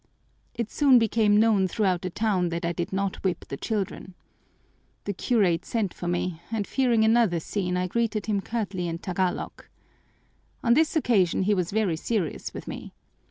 "It soon became known throughout the town that I did not whip the children. The curate sent for me, and fearing another scene I greeted him curtly in Tagalog. On this occasion he was very serious with me.